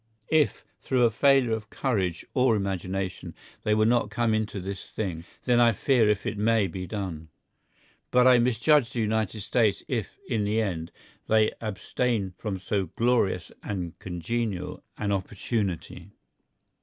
If, through a failure of courage or imagination, they will not come into this thing, then I fear if it may be done. But I misjudge the United States if, in the end, they abstain from so glorious and congenial an opportunity.